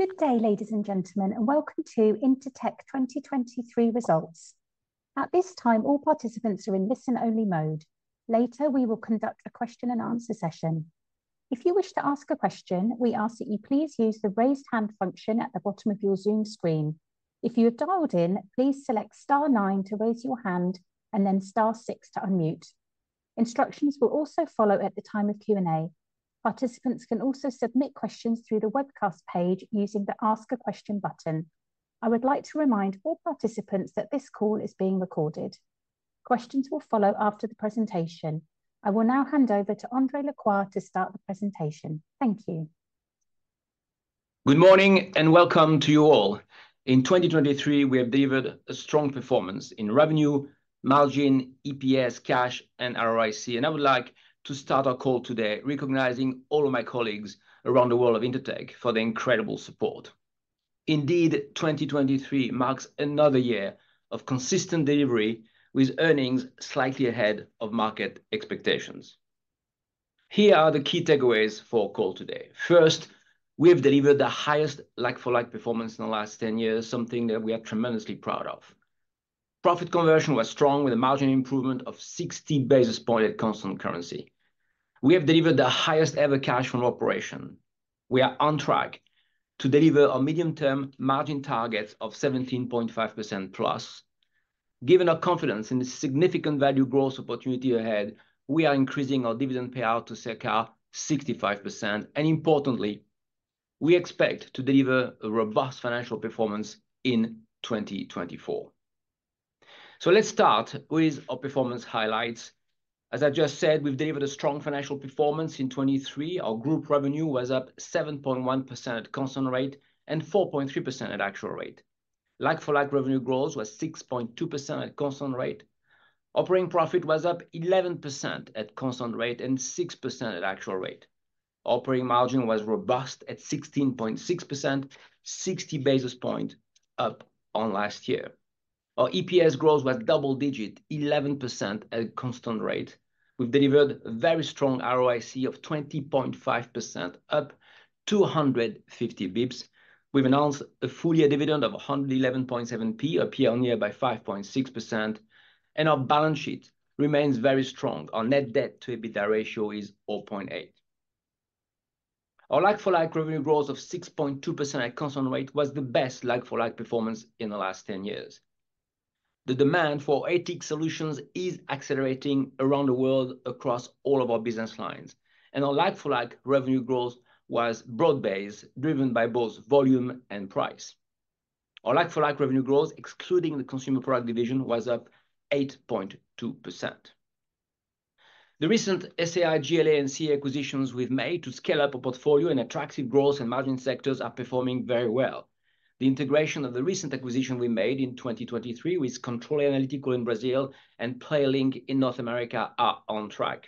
Good day, ladies and gentlemen, and welcome to Intertek 2023 Results. At this time, all participants are in listen-only mode. Later we will conduct a question-and-answer session. If you wish to ask a question, we ask that you please use the raised hand function at the bottom of your Zoom screen. If you have dialed in, please select *9 to raise your hand, and then *6 to unmute. Instructions will also follow at the time of Q&A. Participants can also submit questions through the webcast page using the Ask a Question button. I would like to remind all participants that this call is being recorded. Questions will follow after the presentation. I will now hand over to André Lacroix to start the presentation. Thank you. Good morning and welcome to you all. In 2023, we have delivered a strong performance in revenue, margin, EPS, cash, and ROIC, and I would like to start our call today recognizing all of my colleagues around the world of Intertek for the incredible support. Indeed, 2023 marks another year of consistent delivery, with earnings slightly ahead of market expectations. Here are the key takeaways for our call today. First, we have delivered the highest like-for-like performance in the last 10 years, something that we are tremendously proud of. Profit conversion was strong, with a margin improvement of 60 basis points at constant currency. We have delivered the highest-ever cash flow operation. We are on track to deliver our medium-term margin targets of 17.5%+. Given our confidence in the significant value growth opportunity ahead, we are increasing our dividend payout to circa 65%, and importantly, we expect to deliver a robust financial performance in 2024. So let's start with our performance highlights. As I just said, we've delivered a strong financial performance in 2023. Our group revenue was up 7.1% at constant rate and 4.3% at actual rate. Like-for-like revenue growth was 6.2% at constant rate. Operating profit was up 11% at constant rate and 6% at actual rate. Operating margin was robust at 16.6%, 60 basis points up on last year. Our EPS growth was double-digit, 11% at constant rate. We've delivered a very strong ROIC of 20.5%, up 250 basis points. We've announced a full-year dividend of 111.7p GBP, a payout nearly by 5.6%, and our balance sheet remains very strong. Our net debt-to-EBITDA ratio is 0.8. Our like-for-like revenue growth of 6.2% at constant rate was the best like-for-like performance in the last 10 years. The demand for ATIC solutions is accelerating around the world across all of our business lines, and our like-for-like revenue growth was broad-based, driven by both volume and price. Our like-for-like revenue growth, excluding the Consumer Products division, was up 8.2%. The recent SAI Global, and CE acquisitions we've made to scale up our portfolio in attractive growth and margin sectors are performing very well. The integration of the recent acquisition we made in 2023 with Controle Analítico in Brazil and PlayerLync in North America are on track.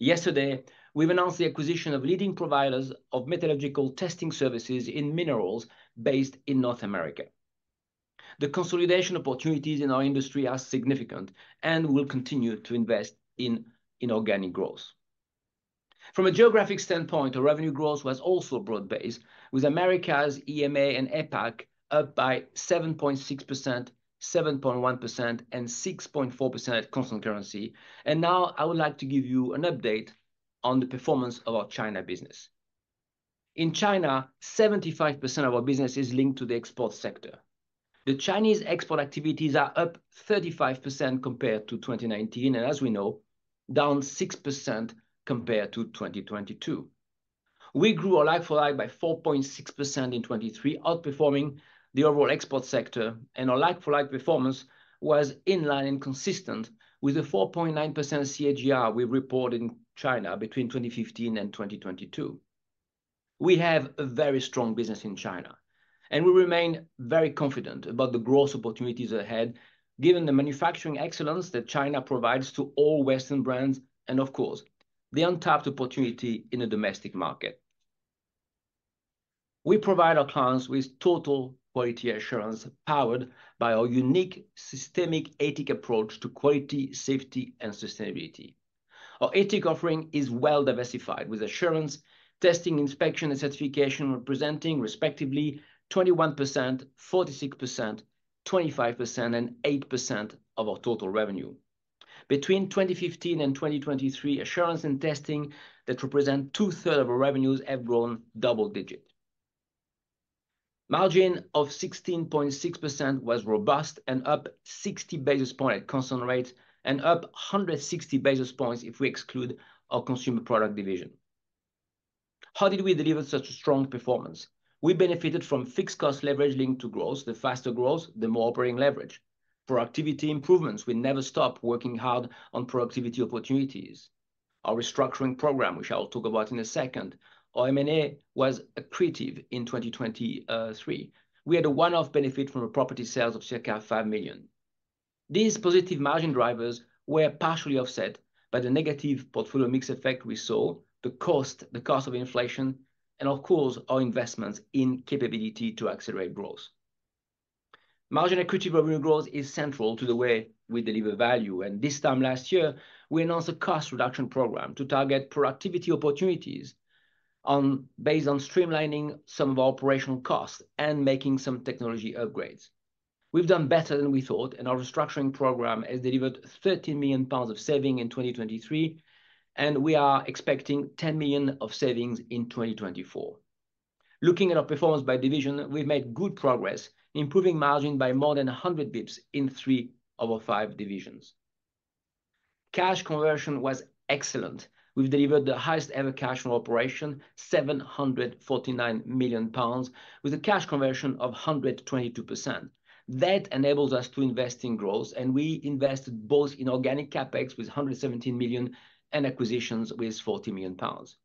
Yesterday, we've announced the acquisition of leading providers of metallurgical testing services in minerals based in North America. The consolidation opportunities in our industry are significant and will continue to invest in inorganic growth. From a geographic standpoint, our revenue growth was also broad-based, with Americas, EMEA and APAC up by 7.6%, 7.1%, and 6.4% at constant currency. Now I would like to give you an update on the performance of our China business. In China, 75% of our business is linked to the export sector. The Chinese export activities are up 35% compared to 2019 and, as we know, down 6% compared to 2022. We grew our like-for-like by 4.6% in 2023, outperforming the overall export sector, and our like-for-like performance was in line and consistent with the 4.9% CAGR we reported in China between 2015 and 2022. We have a very strong business in China, and we remain very confident about the growth opportunities ahead, given the manufacturing excellence that China provides to all Western brands and, of course, the untapped opportunity in the domestic market. We provide our clients with total quality assurance powered by our unique systemic ATIC approach to quality, safety, and sustainability. Our ATIC offering is well diversified, with assurance, testing, inspection, and certification representing, respectively, 21%, 46%, 25%, and 8% of our total revenue. Between 2015 and 2023, assurance and testing that represent two-thirds of our revenues have grown double-digit. Margin of 16.6% was robust and up 60 basis points at constant rate and up 160 basis points if we exclude our consumer product division. How did we deliver such a strong performance? We benefited from fixed cost leverage linked to growth. The faster growth, the more operating leverage. Productivity improvements: we never stop working hard on productivity opportunities. Our restructuring program, which I will talk about in a second, our M&A, was accretive in 2023. We had a one-off benefit from property sales of circa 5 million. These positive margin drivers were partially offset by the negative portfolio mix effect we saw: the cost, the cost of inflation, and, of course, our investments in capability to accelerate growth. Margin-accretive revenue growth is central to the way we deliver value, and this time last year, we announced a cost reduction program to target productivity opportunities based on streamlining some of our operational costs and making some technology upgrades. We've done better than we thought, and our restructuring program has delivered 13 million pounds of savings in 2023, and we are expecting 10 million of savings in 2024. Looking at our performance by division, we've made good progress, improving margin by more than 100 basis points in three of our five divisions. Cash conversion was excellent. We've delivered the highest-ever cash flow operation, 749 million pounds, with a cash conversion of 122%. That enables us to invest in growth, and we invested both in organic CapEx with 117 million and acquisitions with 40 million pounds.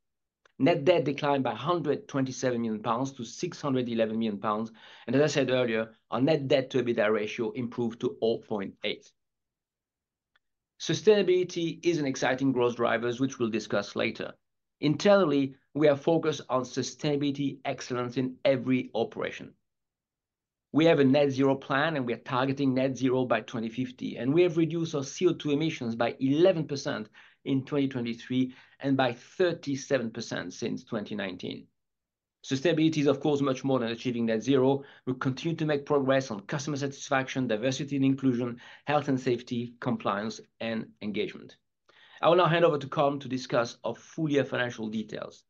Net debt declined by 127 million pounds to 611 million pounds, and, as I said earlier, our net debt-to-EBITDA ratio improved to 0.8. Sustainability is an exciting growth driver, which we'll discuss later. Internally, we are focused on sustainability excellence in every operation. We have a net-zero plan, and we are targeting net-zero by 2050, and we have reduced our CO2 emissions by 11% in 2023 and by 37% since 2019. Sustainability is, of course, much more than achieving net-zero. We continue to make progress on customer satisfaction, diversity and inclusion, health and safety, compliance, and engagement. I will now hand over to Colm to discuss our full-year financial details.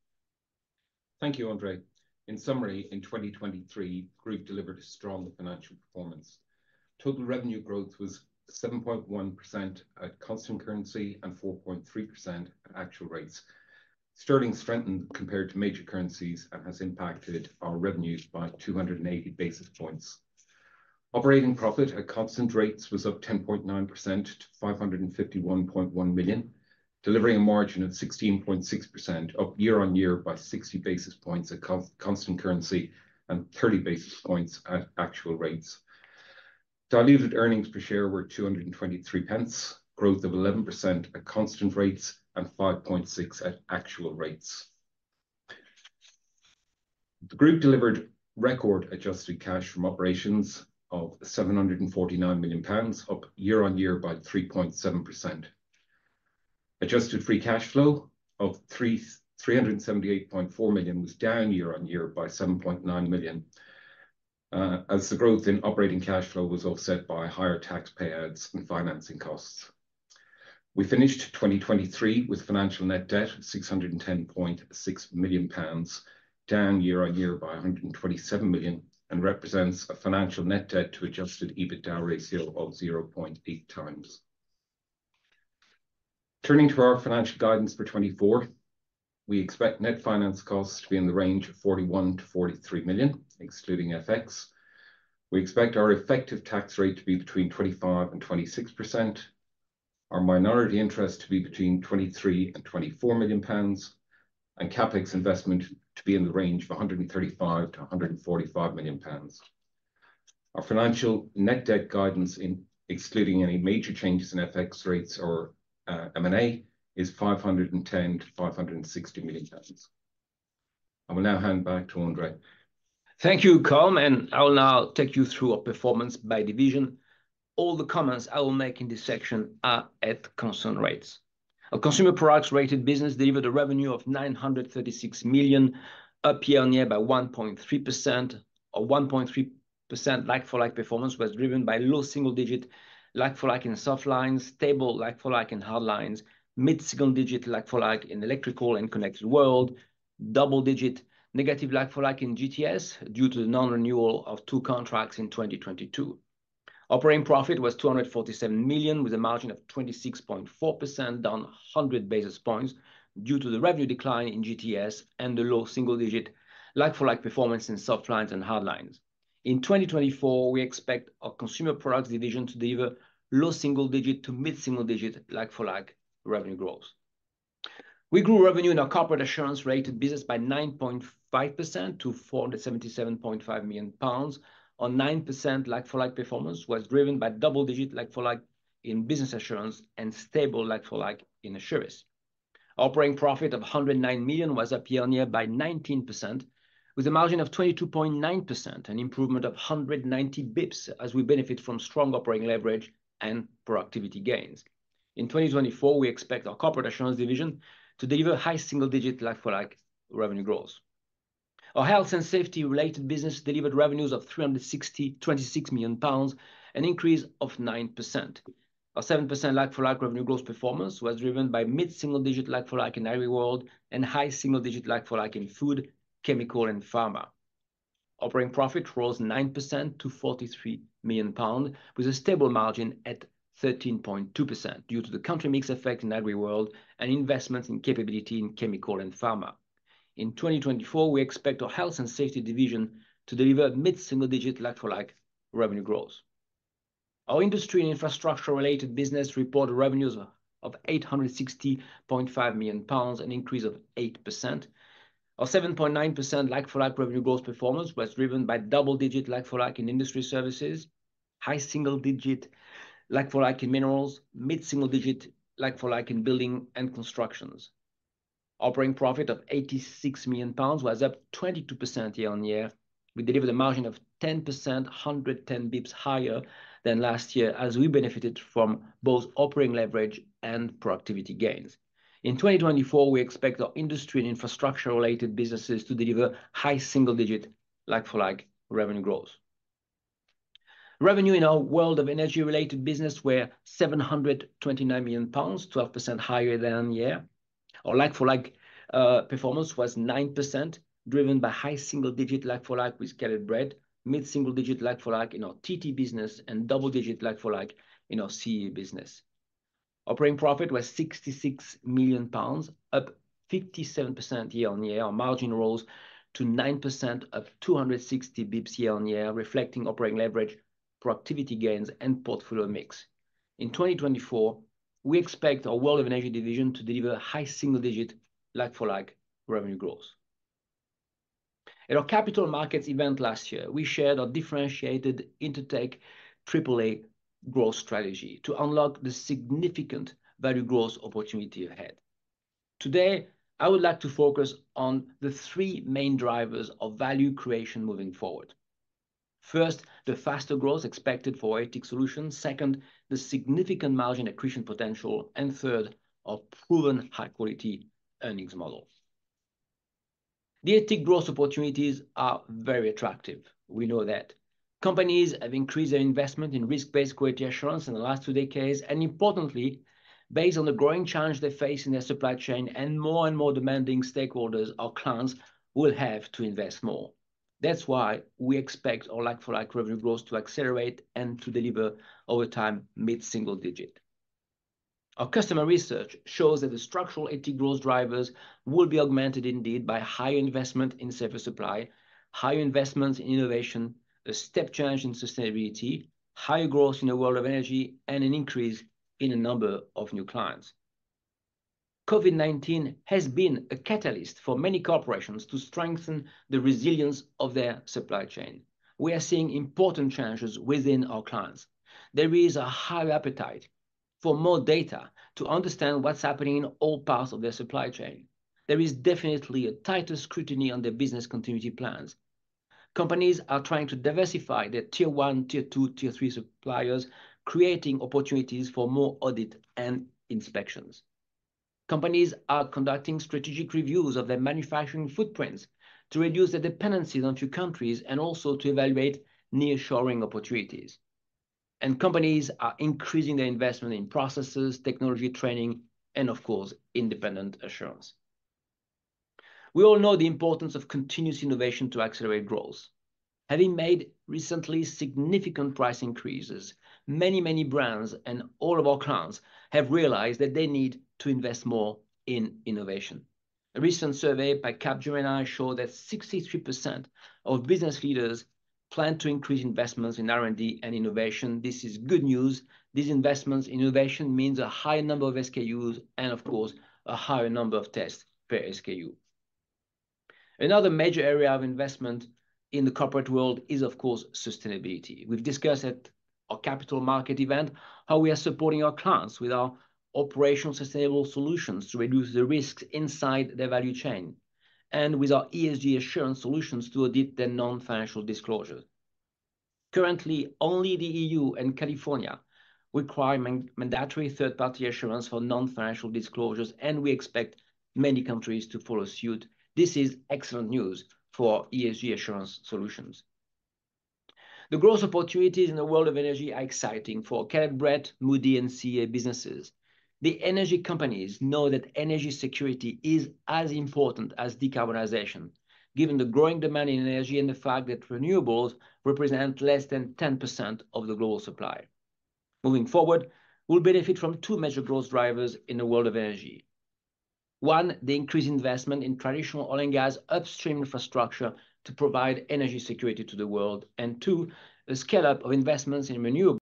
Thank you, André. In summary, in 2023, the group delivered a strong financial performance. Total revenue growth was 7.1% at constant currency and 4.3% at actual rates. Sterling strengthened compared to major currencies and has impacted our revenues by 280 basis points. Operating profit at constant rates was up 10.9% to 551.1 million, delivering a margin of 16.6%, up year-on-year by 60 basis points at constant currency and 30 basis points at actual rates. Diluted earnings per share were 0.223, growth of 11% at constant rates and 5.6% at actual rates. The group delivered record-adjusted cash from operations of 749 million pounds, up year-on-year by 3.7%. Adjusted free cash flow of 378.4 million was down year-on-year by 7.9 million, as the growth in operating cash flow was offset by higher tax payouts and financing costs. We finished 2023 with financial net debt of 610.6 million pounds, down year-on-year by 127 million, and represents a financial net debt-to-adjusted EBITDA ratio of 0.8 times. Turning to our financial guidance for 2024, we expect net finance costs to be in the range of 41 million-43 million, excluding FX. We expect our effective tax rate to be between 25%-26%, our minority interest to be between 23 million and 24 million pounds, and CapEx investment to be in the range of 135 million-145 million pounds. Our financial net debt guidance, excluding any major changes in FX rates or M&A, is 510 million-560 million. I will now hand back to André. Thank you, Colm, and I will now take you through our performance by division. All the comments I will make in this section are at constant rates. Our Consumer Products-related business delivered a revenue of 936 million, up year-on-year by 1.3%. Our 1.3% like-for-like performance was driven by low single-digit like-for-like in Softlines, stable like-for-like in Hardlines, mid-single-digit like-for-like in Electrical and connected world, double-digit negative like-for-like in GTS due to the non-renewal of two contracts in 2022. Operating profit was 247 million, with a margin of 26.4%, down 100 basis points due to the revenue decline in GTS and the low single-digit like-for-like performance in Softlines and Hardlines. In 2024, we expect our Consumer Products division to deliver low single-digit to mid-single-digit like-for-like revenue growth. We grew revenue in our Corporate Assurance-related business by 9.5% to 477.5 million pounds. Our 9% like-for-like performance was driven by double-digit like-for-like in business assurance and stable like-for-like in assurance. Operating profit of 109 million was up year-on-year by 19%, with a margin of 22.9%, an improvement of 190 basis points as we benefit from strong operating leverage and productivity gains. In 2024, we expect our corporate assurance division to deliver high single-digit like-for-like revenue growth. Our Health and Safety-related business delivered revenues of 360.26 million pounds, an increase of 9%. Our 7% like-for-like revenue growth performance was driven by mid-single-digit like-for-like in AgriWorld and high single-digit like-for-like in food, chemical, and pharma. Operating profit rose 9% to 43 million pounds, with a stable margin at 13.2% due to the country mix effect in AgriWorld and investments in capability in chemical and pharma. In 2024, we expect our Health and Safety division to deliver mid-single-digit like-for-like revenue growth. Our Industry and Infrastructure-related business reported revenues of 860.5 million pounds, an increase of 8%. Our 7.9% like-for-like revenue growth performance was driven by double-digit like-for-like in industry services, high single-digit like-for-like in minerals, mid-single-digit like-for-like in building and construction. Operating profit of 86 million pounds was up 22% year-on-year. We delivered a margin of 10%, 110 basis points higher than last year, as we benefited from both operating leverage and productivity gains. In 2024, we expect our Industry and Infrastructure-related businesses to deliver high single-digit like-for-like revenue growth. Revenue in our World of Energy-related business were 729 million pounds, 12% higher than last year. Our like-for-like performance was 9%, driven by high single-digit like-for-like in upstream, mid-single-digit like-for-like in our TT business, and double-digit like-for-like in our CE business. Operating profit was 66 million pounds, up 57% year-on-year. Our margin rose to 9%, up 260 basis points year-on-year, reflecting operating leverage, productivity gains, and portfolio mix. In 2024, we expect our World of Energy division to deliver high single-digit like-for-like revenue growth. At our capital markets event last year, we shared our differentiated Intertek AAA growth strategy to unlock the significant value growth opportunity ahead. Today, I would like to focus on the three main drivers of value creation moving forward. First, the faster growth expected for ATIC Solutions. Second, the significant margin accretion potential. And third, our proven high-quality earnings model. The ATIC growth opportunities are very attractive. We know that companies have increased their investment in risk-based quality assurance in the last two decades. And importantly, based on the growing challenge they face in their supply chain and more and more demanding stakeholders, our clients will have to invest more. That's why we expect our like-for-like revenue growth to accelerate and to deliver over time mid-single-digit. Our customer research shows that the structural ATIC growth drivers will be augmented indeed by higher investment in service supply, higher investments in innovation, a step change in sustainability, higher growth in the World of Energy, and an increase in the number of new clients. COVID-19 has been a catalyst for many corporations to strengthen the resilience of their supply chain. We are seeing important changes within our clients. There is a high appetite for more data to understand what's happening in all parts of their supply chain. There is definitely a tighter scrutiny on their business continuity plans. Companies are trying to diversify their Tier I, Tier II, Tier III suppliers, creating opportunities for more audit and inspections. Companies are conducting strategic reviews of their manufacturing footprints to reduce their dependencies on a few countries and also to evaluate nearshoring opportunities. Companies are increasing their investment in processes, technology training, and, of course, independent assurance. We all know the importance of continuous innovation to accelerate growth. Having made recently significant price increases, many, many brands and all of our clients have realized that they need to invest more in innovation. A recent survey by Capgemini showed that 63% of business leaders plan to increase investments in R&D and innovation. This is good news. These investments in innovation mean a higher number of SKUs and, of course, a higher number of tests per SKU. Another major area of investment in the corporate world is, of course, sustainability. We've discussed at our capital market event how we are supporting our clients with our operational sustainable solutions to reduce the risks inside their value chain and with our ESG assurance solutions to audit their non-financial disclosures. Currently, only the EU and California require mandatory third-party assurance for non-financial disclosures, and we expect many countries to follow suit. This is excellent news for ESG assurance solutions. The growth opportunities in the World of Energy are exciting for Caleb Brett, Moody, and CA businesses. The energy companies know that energy security is as important as decarbonization, given the growing demand in energy and the fact that renewables represent less than 10% of the global supply. Moving forward, we'll benefit from two major growth drivers in the World of Energy. One, the increased investment in traditional oil and gas upstream infrastructure to provide energy security to the world. Two, the scale-up of investments in renewables.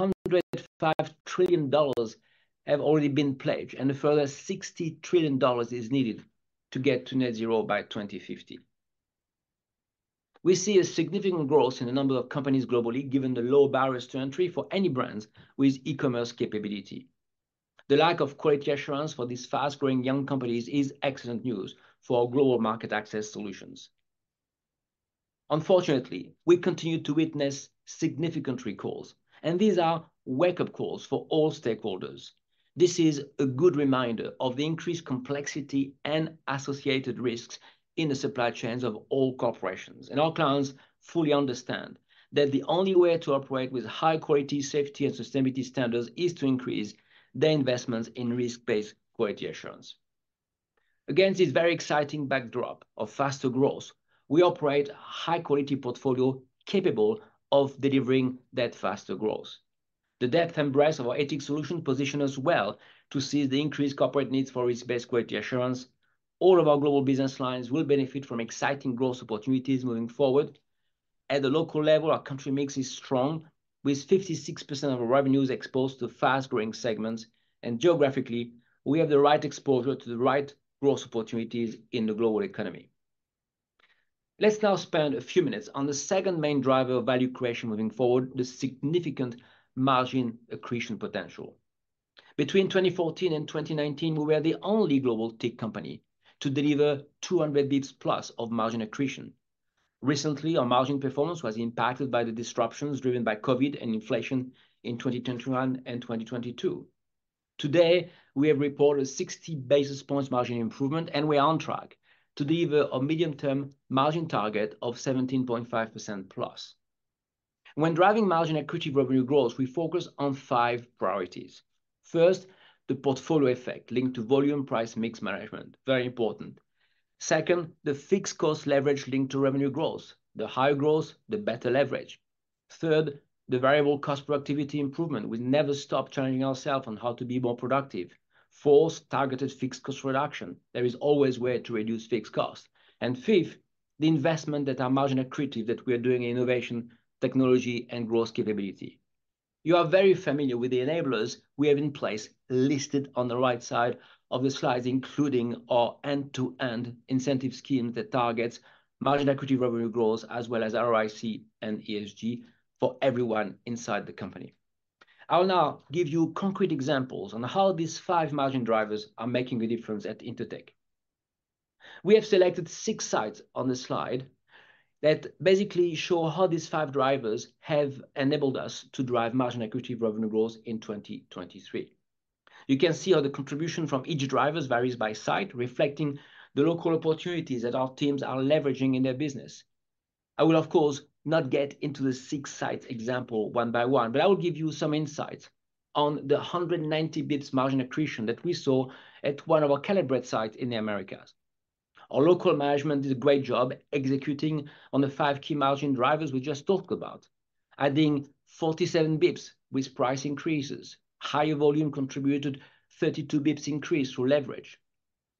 $105 trillion have already been pledged, and a further $60 trillion is needed to get to Net-Zero by 2050. We see a significant growth in the number of companies globally, given the low barriers to entry for any brands with e-commerce capability. The lack of quality assurance for these fast-growing young companies is excellent news for our global market access solutions. Unfortunately, we continue to witness significant recalls, and these are wake-up calls for all stakeholders. This is a good reminder of the increased complexity and associated risks in the supply chains of all corporations. And our clients fully understand that the only way to operate with high-quality safety and sustainability standards is to increase their investments in risk-based quality assurance. Against this very exciting backdrop of faster growth, we operate a high-quality portfolio capable of delivering that faster growth. The depth and breadth of our ATIC Solutions position us well to seize the increased corporate needs for risk-based quality assurance. All of our global business lines will benefit from exciting growth opportunities moving forward. At the local level, our country mix is strong, with 56% of our revenues exposed to fast-growing segments. Geographically, we have the right exposure to the right growth opportunities in the global economy. Let's now spend a few minutes on the second main driver of value creation moving forward, the significant margin accretion potential. Between 2014 and 2019, we were the only global tech company to deliver 200 basis points plus of margin accretion. Recently, our margin performance was impacted by the disruptions driven by COVID and inflation in 2021 and 2022. Today, we have reported a 60 basis points margin improvement, and we are on track to deliver a medium-term margin target of 17.5%+. When driving margin accretive revenue growth, we focus on five priorities. First, the portfolio effect linked to volume-price mix management. Very important. Second, the fixed cost leverage linked to revenue growth. The higher growth, the better leverage. Third, the variable cost productivity improvement. We never stop challenging ourselves on how to be more productive. Fourth, targeted fixed cost reduction. There is always a way to reduce fixed costs. And fifth, the investment that our margin accretive that we are doing in innovation, technology, and growth capability. You are very familiar with the enablers we have in place listed on the right side of the slides, including our end-to-end incentive scheme that targets margin accretive revenue growth, as well as ROIC and ESG for everyone inside the company. I will now give you concrete examples on how these five margin drivers are making a difference at Intertek. We have selected six sites on the slide that basically show how these five drivers have enabled us to drive margin accretive revenue growth in 2023. You can see how the contribution from each driver varies by site, reflecting the local opportunities that our teams are leveraging in their business. I will, of course, not get into the six sites example one by one, but I will give you some insights on the 190 basis points margin accretion that we saw at one of our Caleb Brett sites in the Americas. Our local management did a great job executing on the five key margin drivers we just talked about, adding 47 basis points with price increases, higher volume contributed 32 basis points increase through leverage,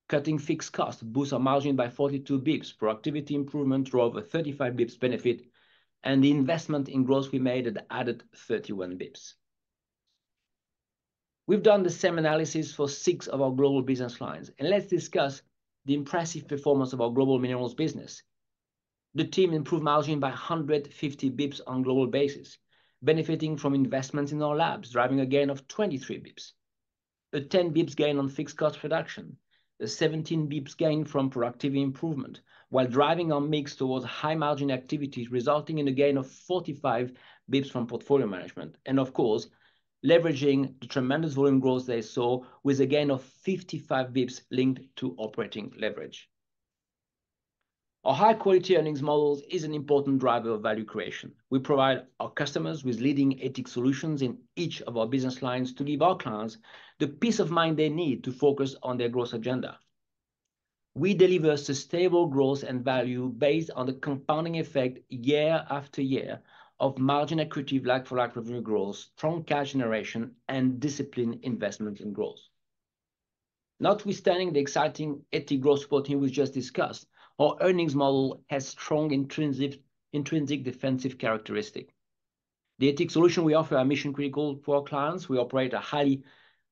cutting fixed costs, boost our margin by 42 basis points, productivity improvement through over 35 basis points benefit, and the investment in growth we made that added 31 basis points. We've done the same analysis for six of our global business lines. Let's discuss the impressive performance of our global minerals business. The team improved margin by 150 basis points on a global basis, benefiting from investments in our labs, driving a gain of 23 basis points, a 10 basis points gain on fixed cost reduction, a 17 basis points gain from productivity improvement while driving our mix towards high-margin activities, resulting in a gain of 45 basis points from portfolio management. Of course, leveraging the tremendous volume growth they saw with a gain of 55 basis points linked to operating leverage. Our high-quality earnings model is an important driver of value creation. We provide our customers with leading ATIC Solutions in each of our business lines to give our clients the peace of mind they need to focus on their growth agenda. We deliver sustainable growth and value based on the compounding effect year after year of margin accretive like-for-like revenue growth, strong cash generation, and disciplined investments in growth. Notwithstanding the exciting ATIC growth support team we just discussed, our earnings model has strong intrinsic defensive characteristics. The ATIC Solution we offer are mission-critical for our clients. We operate a highly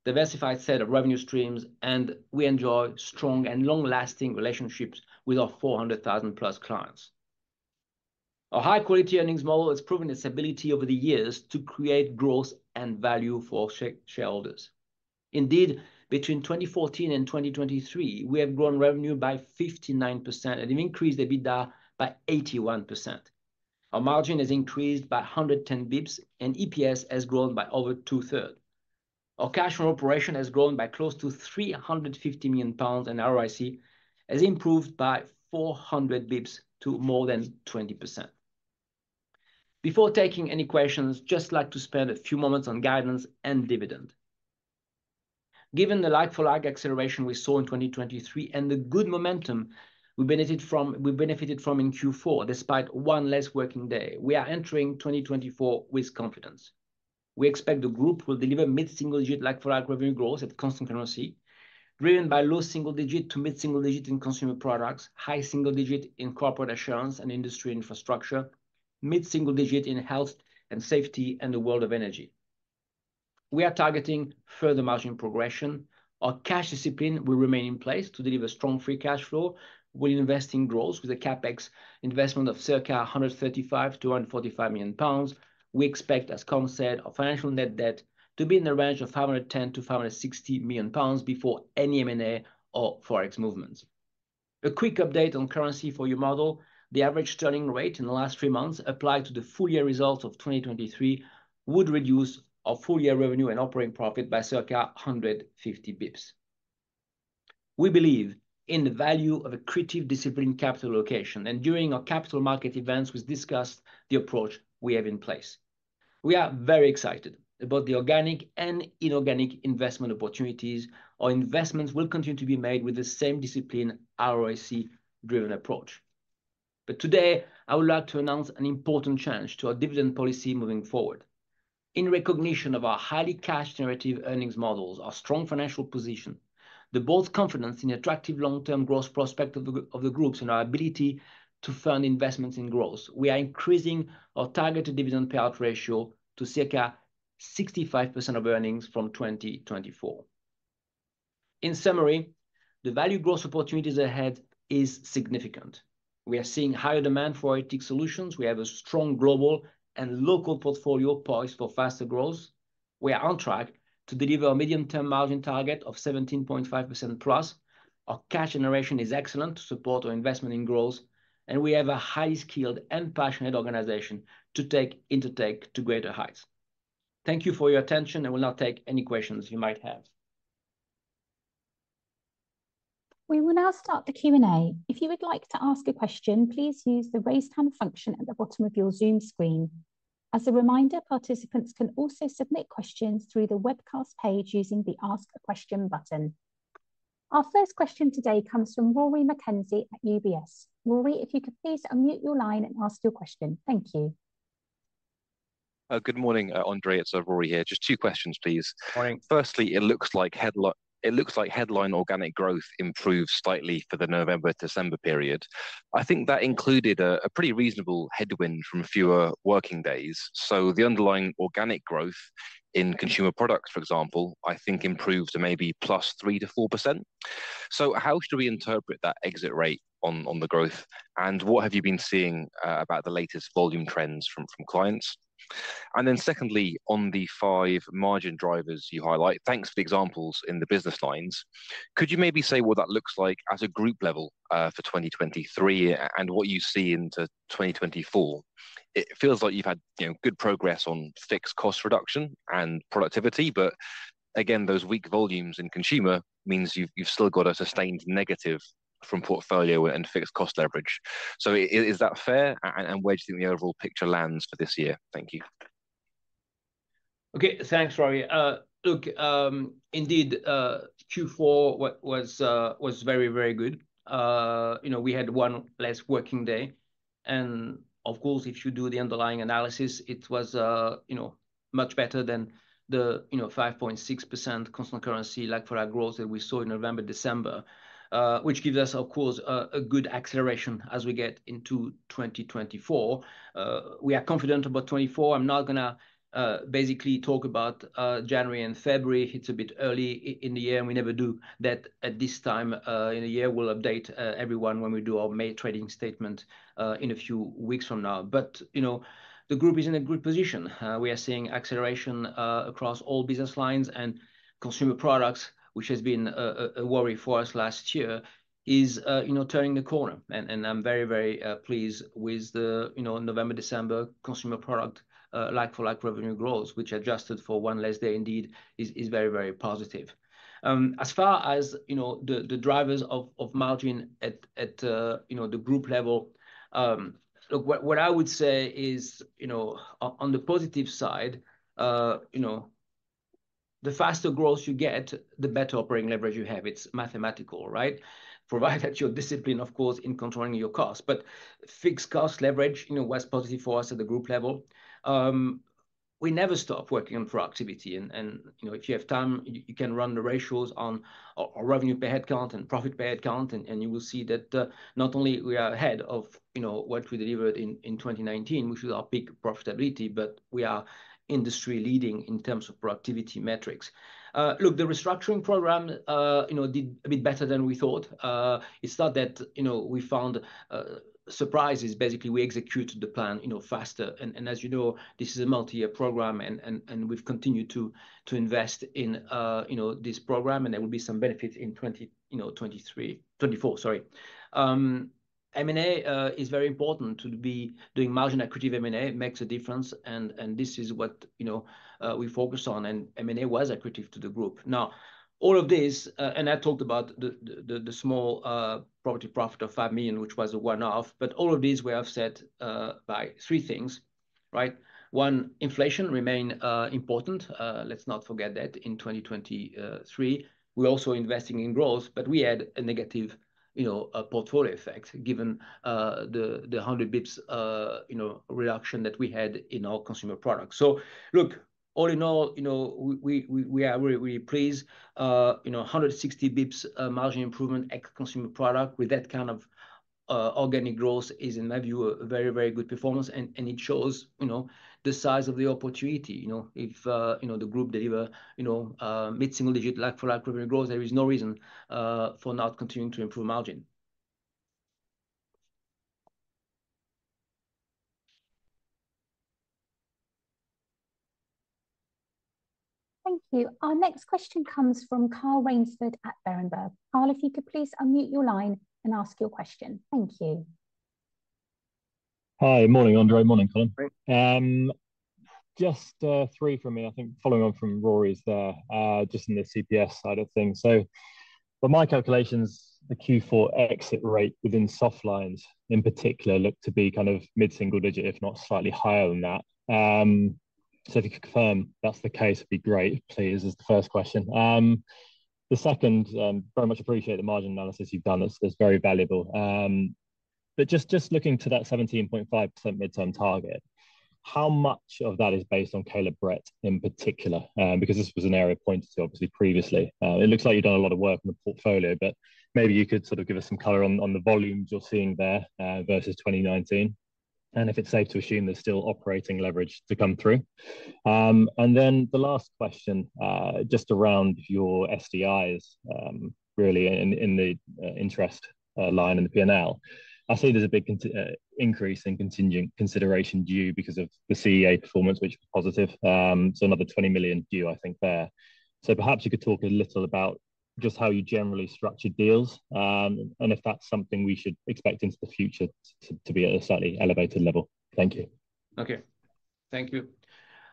diversified set of revenue streams, and we enjoy strong and long-lasting relationships with our 400,000-plus clients. Our high-quality earnings model has proven its ability over the years to create growth and value for shareholders. Indeed, between 2014 and 2023, we have grown revenue by 59% and have increased EBITDA by 81%. Our margin has increased by 110 basis points, and EPS has grown by over two-thirds. Our cash on operation has grown by close to 350 million pounds, and ROIC has improved by 400 basis points to more than 20%. Before taking any questions, I'd just like to spend a few moments on guidance and dividend. Given the like-for-like acceleration we saw in 2023 and the good momentum we benefited from in Q4, despite one less working day, we are entering 2024 with confidence. We expect the group will deliver mid-single digit like-for-like revenue growth at constant currency, driven by low single digit to mid-single digit in Consumer Products, high single digit in Corporate Assurance and Industry and Infrastructure, mid-single digit in Health and Safety and the World of Energy. We are targeting further margin progression. Our cash discipline will remain in place to deliver strong Free Cash Flow. We'll invest in growth with a CapEx investment of circa 135 million-145 million pounds. We expect, as Colm said, our financial net debt to be in the range of 510 million-560 million pounds before any M&A or forex movements. A quick update on currency for your model: the average sterling rate in the last three months applied to the full-year results of 2023 would reduce our full-year revenue and operating profit by circa 150 basis points. We believe in the value of a creative discipline capital allocation. During our capital market events, we discussed the approach we have in place. We are very excited about the organic and inorganic investment opportunities. Our investments will continue to be made with the same discipline, ROIC-driven approach. Today, I would like to announce an important change to our dividend policy moving forward. In recognition of our highly cash-generative earnings models, our strong financial position, the board's confidence in the attractive long-term growth prospect of the Group's, and our ability to fund investments in growth, we are increasing our targeted dividend payout ratio to circa 65% of earnings from 2024. In summary, the value growth opportunities ahead are significant. We are seeing higher demand for ATIC Solutions. We have a strong global and local portfolio priced for faster growth. We are on track to deliver a medium-term margin target of 17.5%+. Our cash generation is excellent to support our investment in growth. We have a highly skilled and passionate organization to take Intertek to greater heights. Thank you for your attention. I will now take any questions you might have. We will now start the Q&A. If you would like to ask a question, please use the raise hand function at the bottom of your Zoom screen. As a reminder, participants can also submit questions through the webcast page using the Ask a Question button. Our first question today comes from Rory McKenzie at UBS. Rory, if you could please unmute your line and ask your question. Thank you. Good morning, André. It's Rory here. Just two questions, please. Firstly, it looks like headline organic growth improved slightly for the November-December period. I think that included a pretty reasonable headwind from fewer working days. So the underlying organic growth in consumer products, for example, I think improved to maybe +3%-4%. So how should we interpret that exit rate on the growth? And what have you been seeing about the latest volume trends from clients? And then secondly, on the five margin drivers you highlight, thanks for the examples in the business lines, could you maybe say what that looks like at a group level for 2023 and what you see into 2024? It feels like you've had good progress on fixed cost reduction and productivity. But again, those weak volumes in consumer means you've still got a sustained negative from portfolio and fixed cost leverage. So is that fair? And where do you think the overall picture lands for this year? Thank you. Okay, thanks, Rory. Look, indeed, Q4 was very, very good. We had one less working day. Of course, if you do the underlying analysis, it was much better than the 5.6% constant currency like-for-like growth that we saw in November-December, which gives us, of course, a good acceleration as we get into 2024. We are confident about 2024. I'm not going to basically talk about January and February. It's a bit early in the year, and we never do that at this time in the year. We'll update everyone when we do our May trading statement in a few weeks from now. The group is in a good position. We are seeing acceleration across all business lines. Consumer Products, which has been a worry for us last year, is turning the corner. I'm very, very pleased with the November-December Consumer Products like-for-like revenue growth, which adjusted for one less day. Indeed, it's very, very positive. As far as the drivers of margin at the group level, look, what I would say is on the positive side, the faster growth you get, the better operating leverage you have. It's mathematical, right? Provided that your discipline, of course, in controlling your costs. But fixed cost leverage was positive for us at the group level. We never stop working on productivity. And if you have time, you can run the ratios on our revenue per headcount and profit per headcount. And you will see that not only are we ahead of what we delivered in 2019, which was our peak profitability, but we are industry-leading in terms of productivity metrics. Look, the restructuring program did a bit better than we thought. It's not that we found surprises. Basically, we executed the plan faster. As you know, this is a multi-year program, and we've continued to invest in this program. And there will be some benefits in 2023-2024, sorry. M&A is very important to be doing. Margin accretive M&A makes a difference. And this is what we focus on. And M&A was accretive to the group. Now, all of this, and I talked about the small property profit of 5 million, which was a one-off, but all of this we have set by three things, right? One, inflation remained important. Let's not forget that in 2023. We're also investing in growth, but we had a negative portfolio effect given the 100 basis points reduction that we had in our consumer products. So look, all in all, we are really, really pleased. 160 basis points margin improvement per consumer product with that kind of organic growth is, in my view, a very, very good performance. It shows the size of the opportunity. If the group deliver mid-single digit like-for-like revenue growth, there is no reason for not continuing to improve margin. Thank you. Our next question comes from Carl Rainsford at Berenberg. Carl, if you could please unmute your line and ask your question. Thank you. Hi. Morning, André. Morning, Colm. Just three from me, I think, following on from Rory's there, just in the CPS side of things. So by my calculations, the Q4 exit rate within soft lines in particular looked to be kind of mid-single digit, if not slightly higher than that. So if you could confirm that's the case, it'd be great, please, as the first question. The second, very much appreciate the margin analysis you've done. It's very valuable. But just looking to that 17.5% mid-term target, how much of that is based on calibrated in particular? Because this was an area pointed to, obviously, previously. It looks like you've done a lot of work on the portfolio, but maybe you could sort of give us some color on the volumes you're seeing there versus 2019, and if it's safe to assume there's still operating leverage to come through. And then the last question, just around your SDIs, really, in the interest line and the P&L, I see there's a big increase in contingent consideration due because of the CEA performance, which was positive. So another 20 million due, I think, there. So perhaps you could talk a little about just how you generally structure deals and if that's something we should expect into the future to be at a slightly elevated level. Thank you. Okay. Thank you.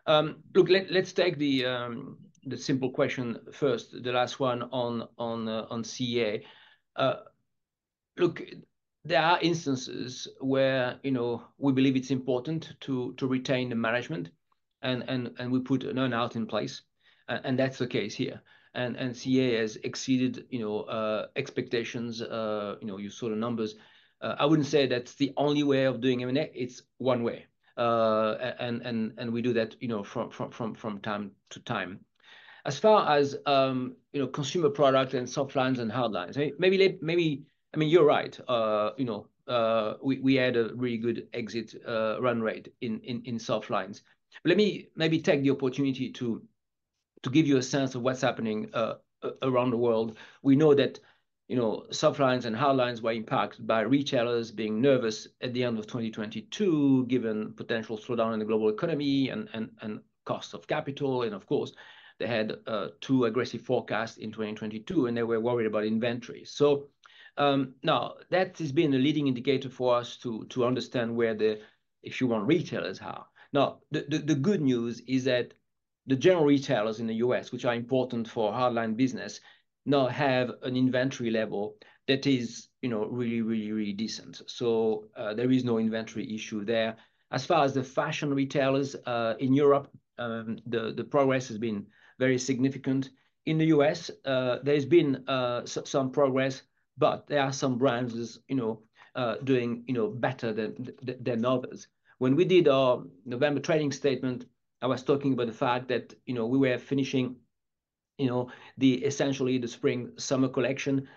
Look, let's take the simple question first, the last one on CEA. Look, there are instances where we believe it's important to retain the management, and we put a non-compete in place. And that's the case here. And CEA has exceeded expectations. You saw the numbers. I wouldn't say that's the only way of doing M&A. It's one way. And we do that from time to time. As far as Consumer Products and soft lines and hard lines, maybe, I mean, you're right. We had a really good exit run rate in soft lines. But let me maybe take the opportunity to give you a sense of what's happening around the world. We know that soft lines and hard lines were impacted by retailers being nervous at the end of 2022, given potential slowdown in the global economy and cost of capital. And of course, they had two aggressive forecasts in 2022, and they were worried about inventory. So now, that has been a leading indicator for us to understand where the—if you want retailers, how. Now, the good news is that the general retailers in the U.S., which are important for hardline business, now have an inventory level that is really, really, really decent. So there is no inventory issue there. As far as the fashion retailers in Europe, the progress has been very significant. In the U.S., there has been some progress, but there are some brands doing better than others. When we did our November trading statement, I was talking about the fact that we were finishing essentially the spring-summer collection,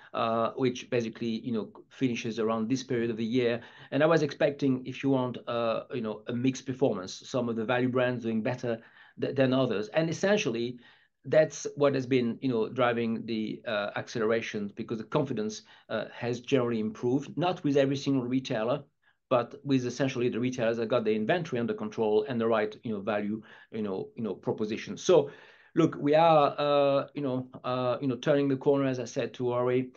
which basically finishes around this period of the year. And I was expecting, if you want, a mixed performance, some of the value brands doing better than others. Essentially, that's what has been driving the acceleration because the confidence has generally improved, not with every single retailer, but with essentially the retailers that got their inventory under control and the right value proposition. So look, we are turning the corner, as I said to Rory,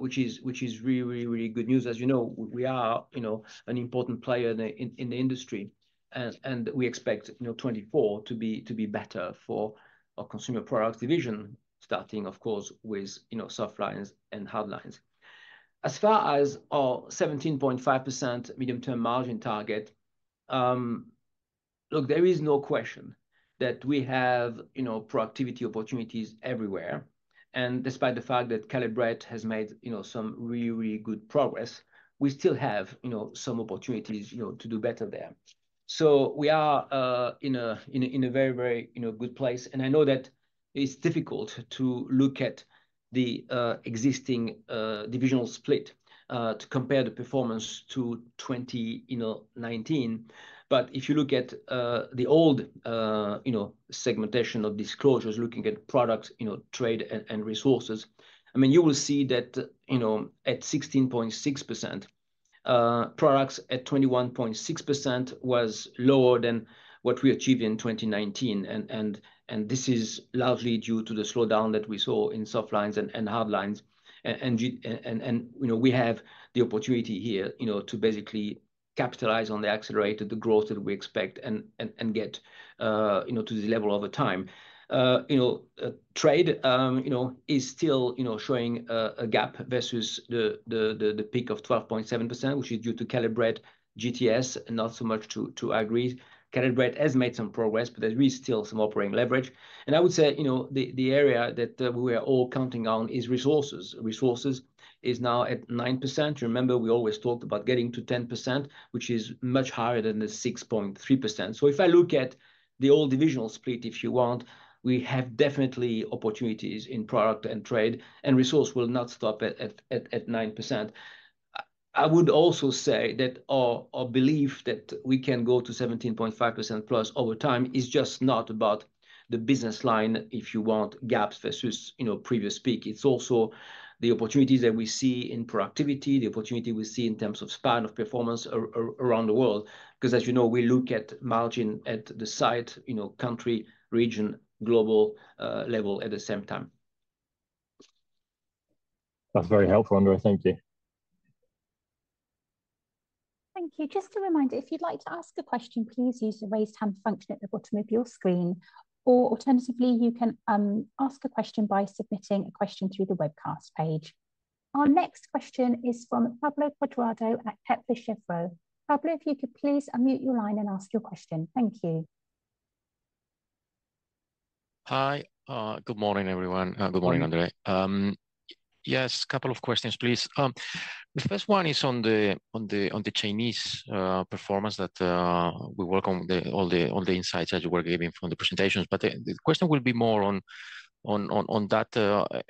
which is really, really, really good news. As you know, we are an important player in the industry, and we expect 2024 to be better for our consumer products division, starting, of course, with soft lines and hard lines. As far as our 17.5% medium-term margin target, look, there is no question that we have productivity opportunities everywhere. And despite the fact that calibrated has made some really, really good progress, we still have some opportunities to do better there. So we are in a very, very good place. I know that it's difficult to look at the existing divisional split to compare the performance to 2019. But if you look at the old segmentation of disclosures, looking at products, trade, and resources, I mean, you will see that at 16.6%, products at 21.6% was lower than what we achieved in 2019. And this is largely due to the slowdown that we saw in soft lines and hard lines. And we have the opportunity here to basically capitalize on the accelerated growth that we expect and get to the level of a time. Trade is still showing a gap versus the peak of 12.7%, which is due to calibrated GTS, not so much to Agri. Calibrated has made some progress, but there's really still some operating leverage. And I would say the area that we are all counting on is resources. Resources is now at 9%. Remember, we always talked about getting to 10%, which is much higher than the 6.3%. So if I look at the old divisional split, if you want, we have definitely opportunities in product and trade, and resource will not stop at 9%. I would also say that our belief that we can go to 17.5%+ over time is just not about the business line, if you want, gaps versus previous peak. It's also the opportunities that we see in productivity, the opportunity we see in terms of span of performance around the world. Because as you know, we look at margin at the site, country, region, global level at the same time. That's very helpful, André. Thank you. Thank you. Just a reminder, if you'd like to ask a question, please use the raised hand function at the bottom of your screen. Or alternatively, you can ask a question by submitting a question through the webcast page. Our next question is from Pablo Cuadrado at Kepler Cheuvreux. Pablo, if you could please unmute your line and ask your question. Thank you. Hi. Good morning, everyone. Good morning, André. Yes, a couple of questions, please. The first one is on the Chinese performance that we work on, all the insights that you were giving from the presentations. But the question will be more on that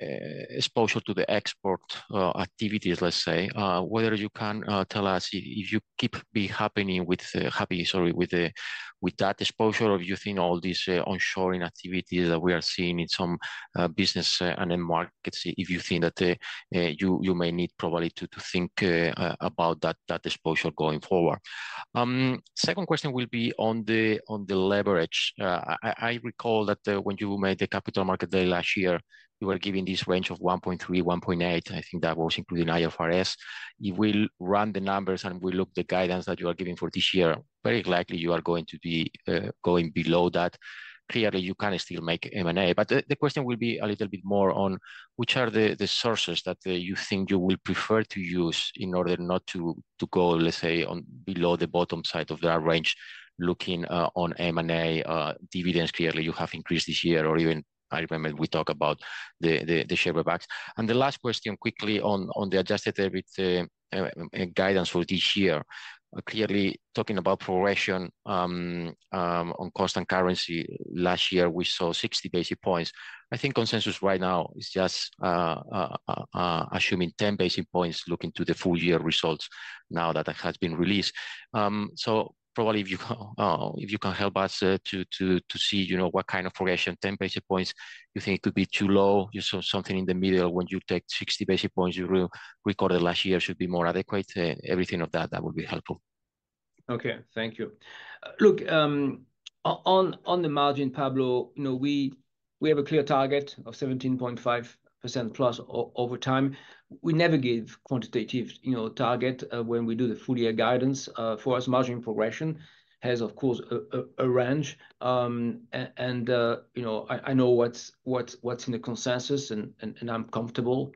exposure to the export activities, let's say, whether you can tell us if you keep happening with happy—sorry—with that exposure, or if you think all these onshoring activities that we are seeing in some business and markets, if you think that you may need probably to think about that exposure going forward. Second question will be on the leverage. I recall that when you made the capital market day last year, you were giving this range of 1.3-1.8. I think that was including IFRS. If we run the numbers and we look at the guidance that you are giving for this year, very likely you are going to be going below that. Clearly, you can still make M&A. But the question will be a little bit more on which are the sources that you think you will prefer to use in order not to go, let's say, below the bottom side of that range looking on M&A dividends. Clearly, you have increased this year, or even I remember we talked about the share backs. And the last question, quickly, on the adjusted EBIT guidance for this year. Clearly, talking about progression on cost and currency, last year we saw 60 basis points. I think consensus right now is just assuming 10 basis points looking to the full-year results now that it has been released. So probably if you can help us to see what kind of progression, 10 basis points, you think it could be too low, something in the middle when you take 60 basis points you recorded last year should be more adequate. Everything of that, that would be helpful. Okay. Thank you. Look, on the margin, Pablo, we have a clear target of 17.5%+ over time. We never give quantitative targets when we do the full-year guidance. For us, margin progression has, of course, a range. I know what's in the consensus, and I'm comfortable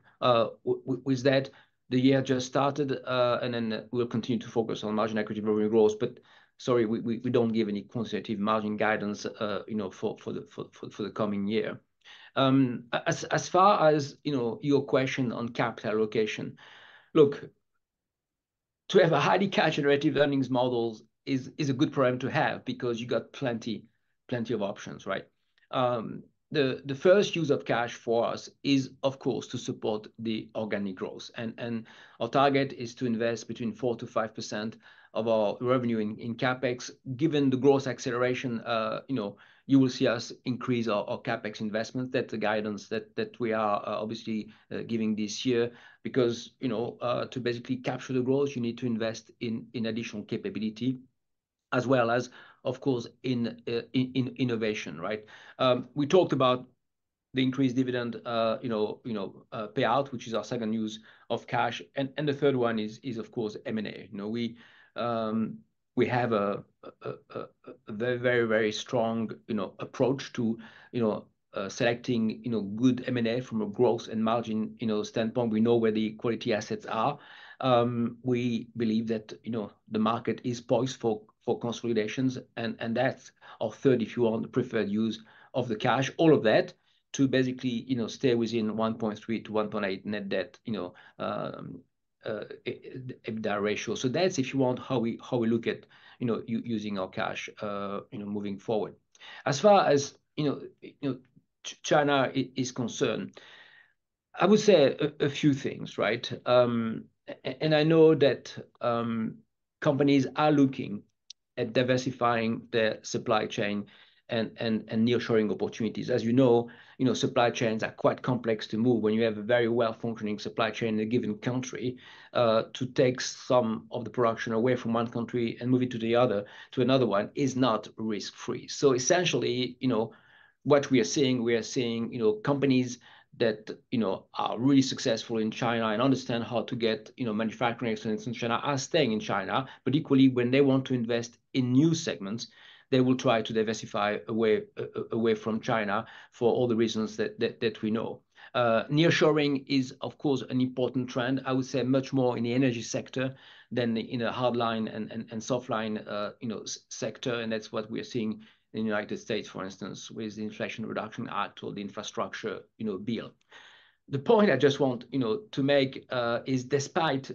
with that. The year just started, and then we'll continue to focus on margin accretive growth. But sorry, we don't give any quantitative margin guidance for the coming year. As far as your question on capital allocation, look, to have highly cash-generative earnings models is a good program to have because you got plenty of options, right? The first use of cash for us is, of course, to support the organic growth. Our target is to invest between 4%-5% of our revenue in CapEx. Given the growth acceleration, you will see us increase our CapEx investments. That's the guidance that we are obviously giving this year because to basically capture the growth, you need to invest in additional capability as well as, of course, in innovation, right? We talked about the increased dividend payout, which is our second use of cash. The third one is, of course, M&A. We have a very, very, very strong approach to selecting good M&A from a growth and margin standpoint. We know where the quality assets are. We believe that the market is poised for consolidations. That's our third, if you want, preferred use of the cash, all of that to basically stay within 1.3-1.8 net debt-to-EBITDA ratio. So that's, if you want, how we look at using our cash moving forward. As far as China is concerned, I would say a few things, right? And I know that companies are looking at diversifying their supply chain and nearshoring opportunities. As you know, supply chains are quite complex to move. When you have a very well-functioning supply chain in a given country, to take some of the production away from one country and move it to another one is not risk-free. So essentially, what we are seeing, we are seeing companies that are really successful in China and understand how to get manufacturing expenses in China are staying in China. But equally, when they want to invest in new segments, they will try to diversify away from China for all the reasons that we know. Nearshoring is, of course, an important trend, I would say, much more in the energy sector than in a hardline and softline sector. And that's what we are seeing in the United States, for instance, with the Inflation Reduction Act or the Infrastructure Bill. The point I just want to make is, despite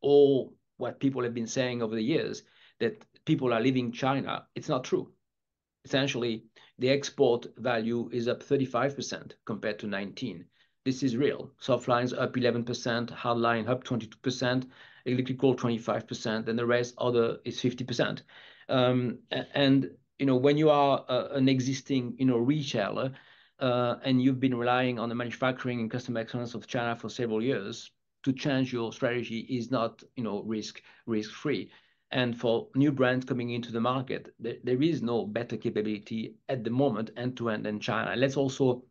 all what people have been saying over the years that people are leaving China, it's not true. Essentially, the export value is up 35% compared to 19%. This is real. Soft lines up 11%, hard line up 22%, Electrical 25%, and the rest is 50%. When you are an existing retailer and you've been relying on the manufacturing and customer experience of China for several years, to change your strategy is not risk-free. For new brands coming into the market, there is no better capability at the moment end-to-end in China. Let's also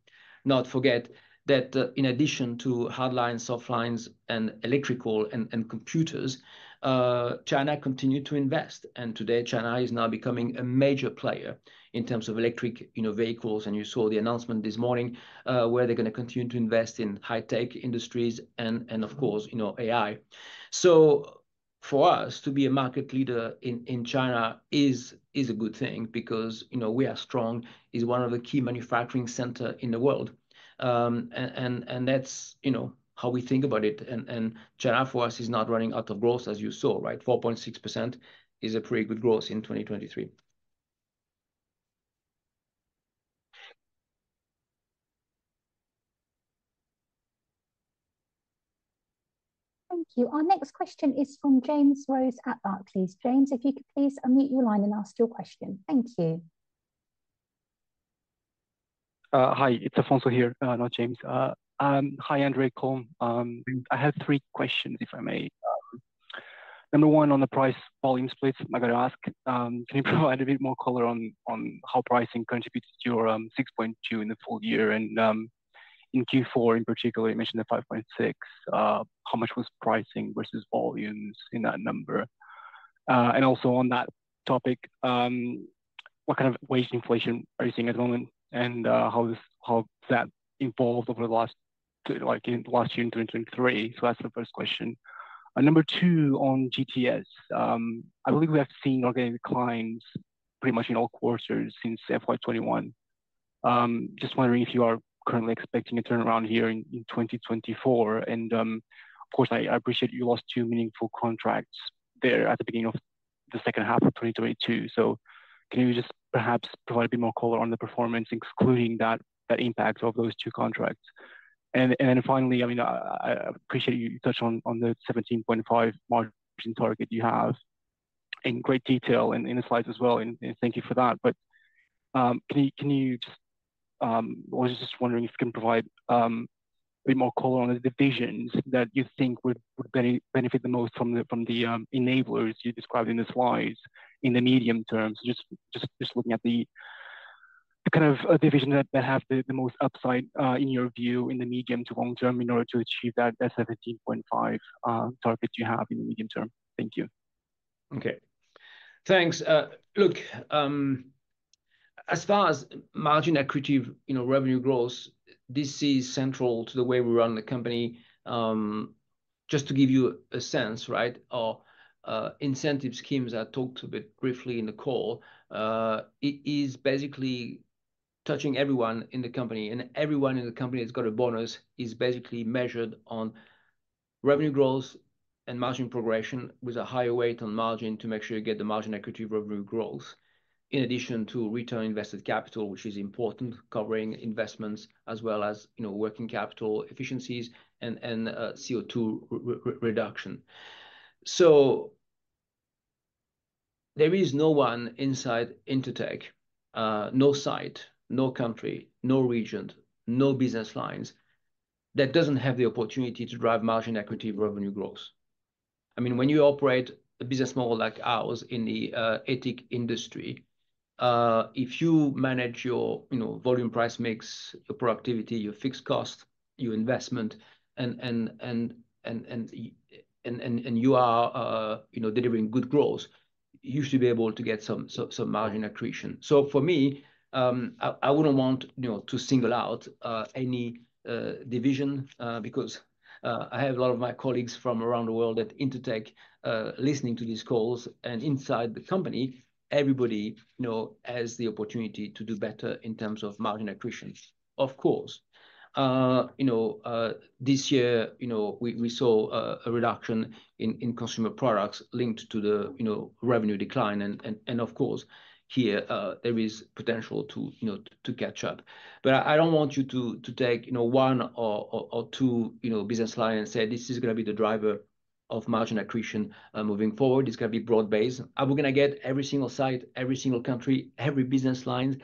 not forget that in addition to hard lines, softlines, and electric coal and computers, China continues to invest. Today, China is now becoming a major player in terms of electric vehicles. You saw the announcement this morning where they're going to continue to invest in high-tech industries and, of course, AI. For us to be a market leader in China is a good thing because we are strong, is one of the key manufacturing centers in the world. That's how we think about it. And China for us is not running out of growth, as you saw, right? 4.6% is a pretty good growth in 2023. Thank you. Our next question is from James Rose at Barclays, please. James, if you could please unmute your line and ask your question. Thank you. Hi. It's Alfonso here, not James. Hi, André, Colm. I have three questions, if I may. Number one, on the price-volume split, I got to ask, can you provide a bit more color on how pricing contributed to your 6.2 in the full year? And in Q4 in particular, you mentioned the 5.6. How much was pricing versus volumes in that number? And also on that topic, what kind of wage inflation are you seeing at the moment and how that evolved over the last year in 2023? So that's the first question. Number two, on GTS, I believe we have seen organic declines pretty much in all quarters since FY21. Just wondering if you are currently expecting a turnaround here in 2024. And of course, I appreciate you lost 2 meaningful contracts there at the beginning of the second half of 2022. So can you just perhaps provide a bit more color on the performance, including that impact of those two contracts? And then finally, I mean, I appreciate you touched on the 17.5 margin target you have in great detail in the slides as well. And thank you for that. But can you just—I was just wondering if you can provide a bit more color on the divisions that you think would benefit the most from the enablers you described in the slides in the medium terms, just looking at the kind of division that have the most upside in your view in the medium to long term in order to achieve that 17.5% target you have in the medium term? Thank you. Okay. Thanks. Look, as far as margin accretive revenue growth, this is central to the way we run the company. Just to give you a sense, right, incentive schemes I talked a bit briefly in the call, it is basically touching everyone in the company. Everyone in the company that's got a bonus is basically measured on revenue growth and margin progression with a higher weight on margin to make sure you get the margin accretive revenue growth in addition to return invested capital, which is important, covering investments as well as working capital efficiencies and CO2 reduction. There is no one inside Intertek, no site, no country, no region, no business lines that doesn't have the opportunity to drive margin accretive revenue growth. I mean, when you operate a business model like ours in the ATIC industry, if you manage your volume-price mix, your productivity, your fixed cost, your investment, and you are delivering good growth, you should be able to get some margin accretion. So for me, I wouldn't want to single out any division because I have a lot of my colleagues from around the world at Intertek listening to these calls. Inside the company, everybody has the opportunity to do better in terms of margin accretion. Of course, this year, we saw a reduction in Consumer Products linked to the revenue decline. Of course, here, there is potential to catch up. But I don't want you to take one or two business lines and say, "This is going to be the driver of margin accretion moving forward. It's going to be broad-based. Are we going to get every single site, every single country, every business line,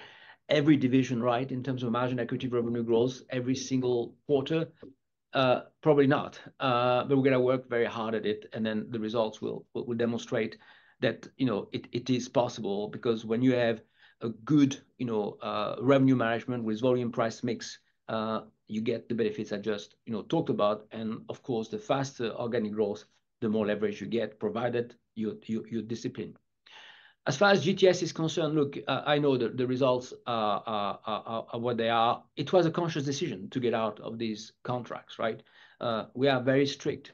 every single division right in terms of margin accretive revenue growth every single quarter?" Probably not. But we're going to work very hard at it. Then the results will demonstrate that it is possible because when you have a good revenue management with volume-price mix, you get the benefits I just talked about. And of course, the faster organic growth, the more leverage you get provided you're disciplined. As far as GTS is concerned, look, I know the results are what they are. It was a conscious decision to get out of these contracts, right? We are very strict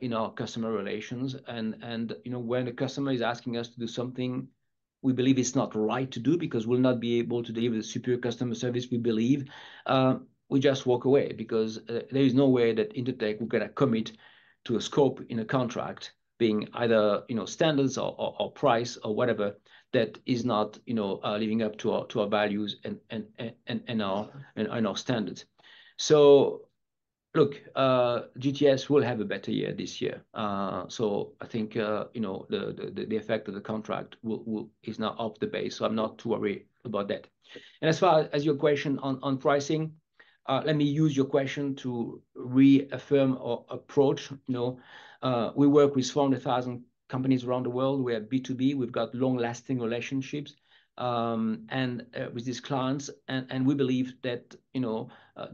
in our customer relations. When a customer is asking us to do something we believe it's not right to do because we'll not be able to deliver the superior customer service, we believe, we just walk away because there is no way that Intertek will get a commit to a scope in a contract being either standards or price or whatever that is not living up to our values and our standards. So look, GTS will have a better year this year. So I think the effect of the contract is now off the base. So I'm not too worried about that. And as far as your question on pricing, let me use your question to reaffirm our approach. We work with 400,000 companies around the world. We are B2B. We've got long-lasting relationships with these clients. And we believe that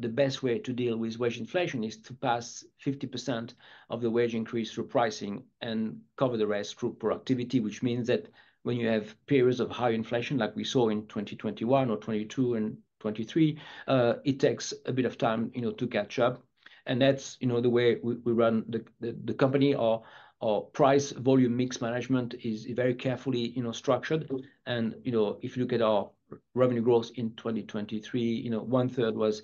the best way to deal with wage inflation is to pass 50% of the wage increase through pricing and cover the rest through productivity, which means that when you have periods of high inflation like we saw in 2021 or 2022 and 2023, it takes a bit of time to catch up. And that's the way we run the company. Our price-volume mix management is very carefully structured. And if you look at our revenue growth in 2023, one-third was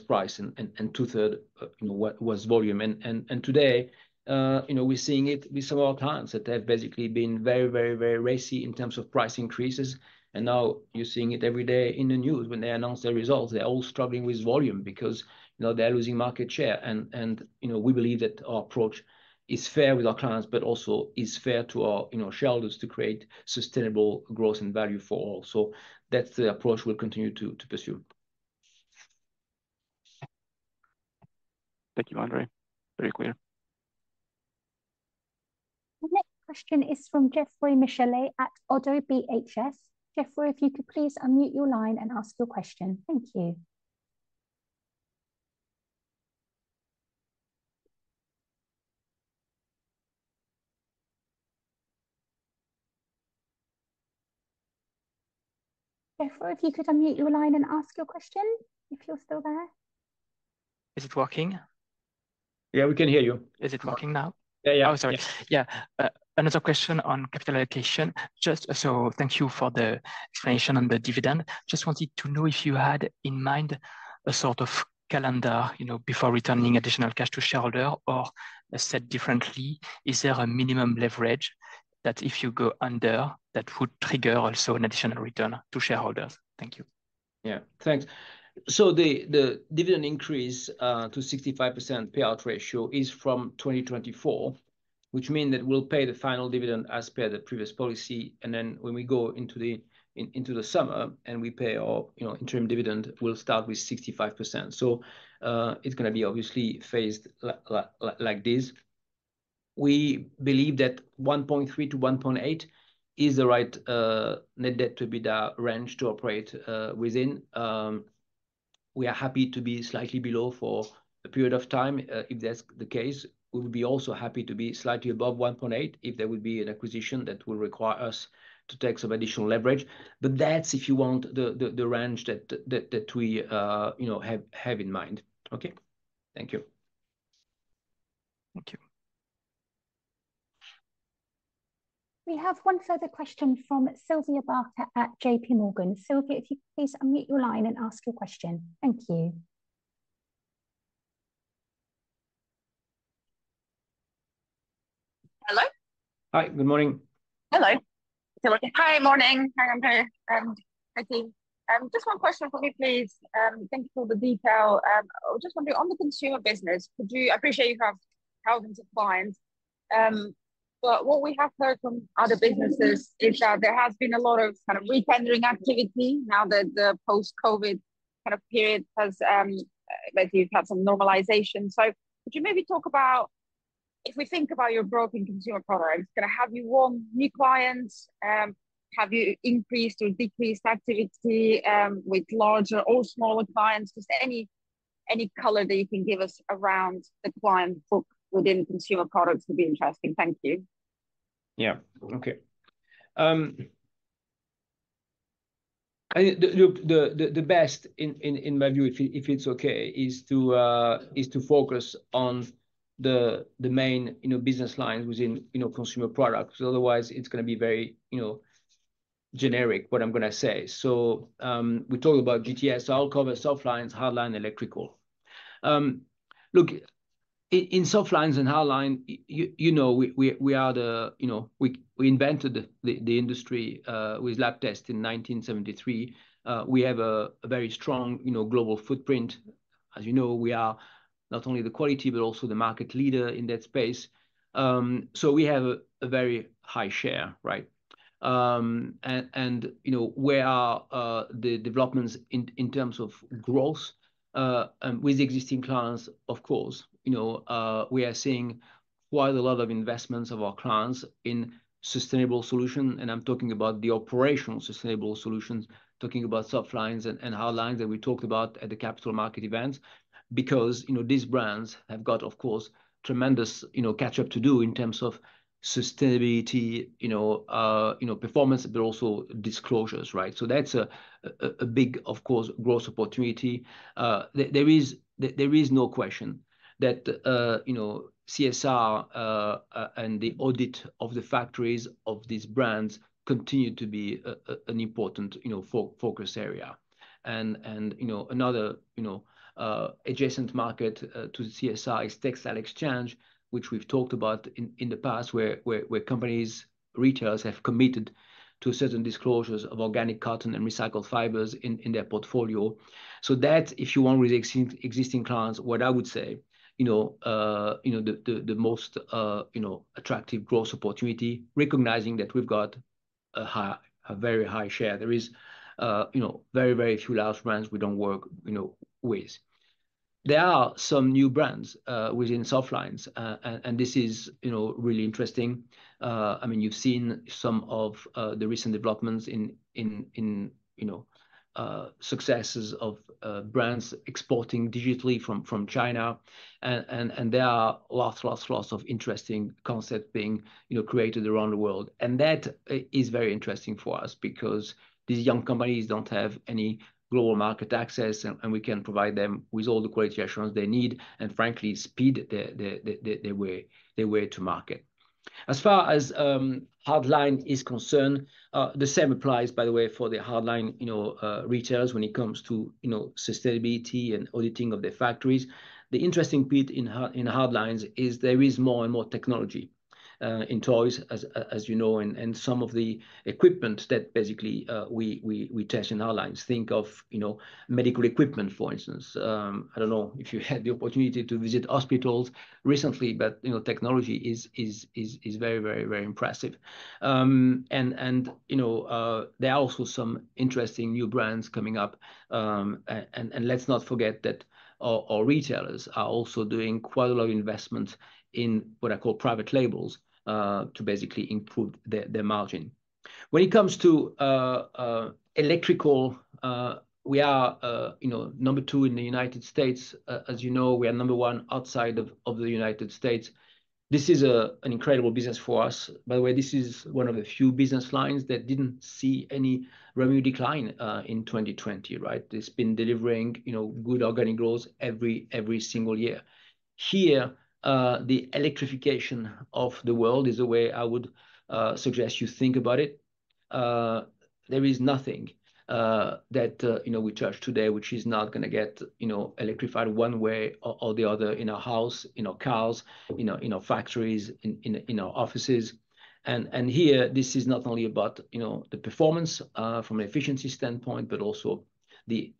price and two-thirds was volume. And today, we're seeing it with some of our clients that have basically been very, very, very racy in terms of price increases. And now you're seeing it every day in the news when they announce their results. They're all struggling with volume because they're losing market share. And we believe that our approach is fair with our clients, but also is fair to our shareholders to create sustainable growth and value for all. So that's the approach we'll continue to pursue. Thank you, André. Very clear. Our next question is from Geoffrey Michelet at Oddo BHF. Geoffrey, if you could please unmute your line and ask your question. Thank you. Geoffrey, if you could unmute your line and ask your question if you're still there. Is it working? Yeah, we can hear you. Is it working now? Yeah, yeah. I'm sorry. Yeah. Another question on capital allocation. So thank you for the explanation on the dividend. Just wanted to know if you had in mind a sort of calendar before returning additional cash to shareholders or said differently, is there a minimum leverage that if you go under, that would trigger also an additional return to shareholders? Thank you. Yeah. Thanks. So the dividend increase to 65% payout ratio is from 2024, which means that we'll pay the final dividend as per the previous policy. And then when we go into the summer and we pay our interim dividend, we'll start with 65%. So it's going to be obviously phased like this. We believe that 1.3-1.8 is the right net debt to EBITDA range to operate within. We are happy to be slightly below for a period of time. If that's the case, we would be also happy to be slightly above 1.8 if there would be an acquisition that will require us to take some additional leverage. But that's if you want the range that we have in mind. Okay? Thank you. Thank you. We have one further question from Sylvia Barker at JP Morgan. Sylvia, if you could please unmute your line and ask your question. Thank you. Hello? Hi. Good morning. Hello. Hi. Morning. Hi. I'm here with the team. Just one question for me, please. Thank you for the detail. I just want to be on the consumer business. I appreciate you have thousands of clients. But what we have heard from other businesses is that there has been a lot of kind of re-tendering activity now that the post-COVID kind of period has led to some normalization. So could you maybe talk about if we think about your broader consumer products, kind of have you won new clients, have you increased or decreased activity with larger or smaller clients? Just any color that you can give us around the client book within consumer products would be interesting. Thank you. Yeah. Okay. The best in my view, if it's okay, is to focus on the main business lines within consumer products. Otherwise, it's going to be very generic what I'm going to say. So we talked about GTS. So I'll cover Softlines, Hardlines, electrical. Look, in Softlines and Hardlines, we are the we invented the industry with Labtest in 1973. We have a very strong global footprint. As you know, we are not only the quality but also the market leader in that space. So we have a very high share, right? And where are the developments in terms of growth with existing clients? Of course, we are seeing quite a lot of investments of our clients in sustainable solutions. And I'm talking about the operational sustainable solutions, talking about soft lines and hard lines that we talked about at the capital market events because these brands have got, of course, tremendous catch-up to do in terms of sustainability, performance, but also disclosures, right? So that's a big, of course, growth opportunity. There is no question that CSR and the audit of the factories of these brands continue to be an important focus area. Another adjacent market to CSR is Textile Exchange, which we've talked about in the past where companies, retailers, have committed to certain disclosures of organic cotton and recycled fibers in their portfolio. So that, if you want with existing clients, what I would say, the most attractive growth opportunity, recognizing that we've got a very high share. There are very, very few large brands we don't work with. There are some new brands within soft lines. And this is really interesting. I mean, you've seen some of the recent developments in successes of brands exporting digitally from China. And there are lots, lots, lots of interesting concepts being created around the world. And that is very interesting for us because these young companies don't have any global market access. And we can provide them with all the quality assurance they need and, frankly, speed their way to market. As far as hard line is concerned, the same applies, by the way, for the hard line retailers when it comes to sustainability and auditing of their factories. The interesting bit in hard lines is there is more and more technology in toys, as you know, and some of the equipment that basically we test in hard lines. Think of medical equipment, for instance. I don't know if you had the opportunity to visit hospitals recently, but technology is very, very, very impressive. And there are also some interesting new brands coming up. And let's not forget that our retailers are also doing quite a lot of investments in what I call private labels to basically improve their margin. When it comes to electrical, we are number two in the United States. As you know, we are number one outside of the United States. This is an incredible business for us. By the way, this is one of the few business lines that didn't see any revenue decline in 2020, right? It's been delivering good organic growth every single year. Here, the electrification of the world is the way I would suggest you think about it. There is nothing that we touch today which is not going to get electrified one way or the other in our house, in our cars, in our factories, in our offices. And here, this is not only about the performance from an efficiency standpoint but also the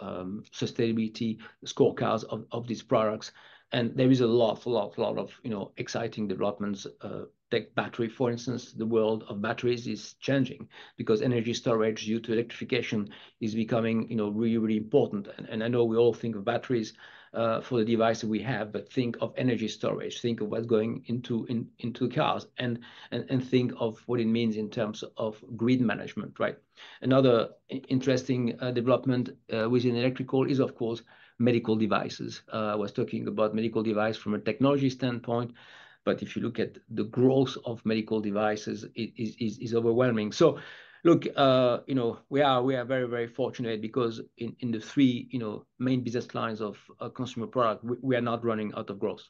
sustainability scorecards of these products. And there is a lot, lot, lot of exciting developments. Take battery, for instance, the world of batteries is changing because energy storage due to electrification is becoming really, really important. I know we all think of batteries for the devices we have, but think of energy storage. Think of what's going into the cars. And think of what it means in terms of grid management, right? Another interesting development within electrical is, of course, medical devices. I was talking about medical devices from a technology standpoint. But if you look at the growth of medical devices, it is overwhelming. So look, we are very, very fortunate because in the three main business lines of Consumer Products, we are not running out of growth.